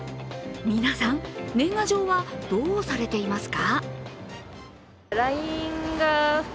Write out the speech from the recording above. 皆さん年賀状はどうされていますか？